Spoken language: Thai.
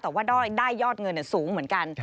แต่ว่าได้ยอดเงินสูงเหมือนกัน